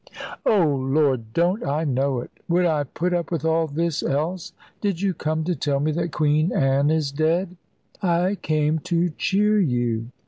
"Oh, Lord, don't I know it? Would I put up with all this, else? Did you come to tell me that Queen Anne is dead?" "I came to cheer you."